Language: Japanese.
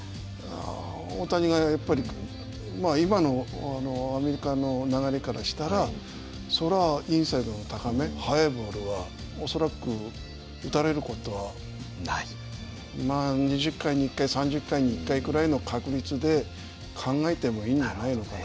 大谷がやっぱり今のアメリカの流れからしたらそれはインサイドの高め速いボールは恐らく打たれる事はまあ２０回に１回３０回に１回くらいの確率で考えてもいいんじゃないのかな。